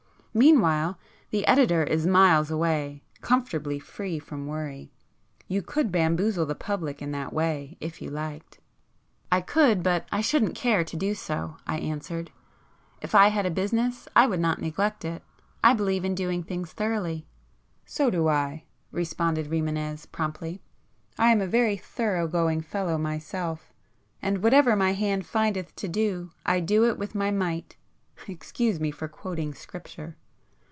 Meanwhile the editor is miles away, comfortably free from worry. You could bamboozle the public in that way if you liked." "I could, but I shouldn't care to do so," I answered—"If I had a business I would not neglect it. I believe in doing things thoroughly." "So do I!" responded Rimânez promptly. "I am a very thorough going fellow myself, and whatever my hand findeth to do, I do it with my might!—excuse me for quoting Scripture!"